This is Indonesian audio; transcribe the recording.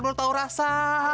belum tau rasa